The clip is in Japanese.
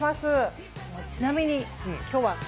ちなみに今日は。